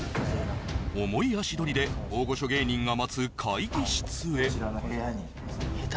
重い足取りで大御所芸人が待つ会議室へえっ誰？